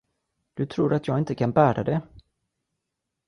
Du tror, att jag inte kan bära det.